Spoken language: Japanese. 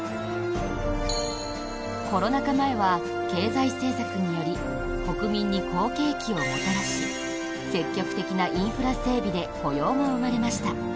コロナ禍前は、経済政策により国民に好景気をもたらし積極的なインフラ整備で雇用も生まれました。